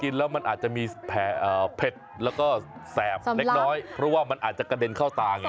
กินแล้วมันอาจจะมีเผ็ดแล้วก็แสบเล็กน้อยเพราะว่ามันอาจจะกระเด็นเข้าตาไง